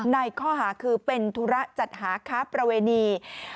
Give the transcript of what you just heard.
ในข้อหาคือเป็นธุระจัดหาค้าประเวณี